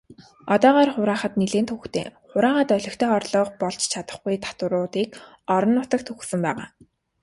Одоогоор хураахад нэлээн төвөгтэй, хураагаад олигтой орлого болж чадахгүй татваруудыг орон нутагт өгсөн байгаа.